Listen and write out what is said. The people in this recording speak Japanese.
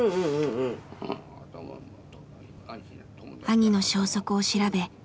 兄の消息を調べ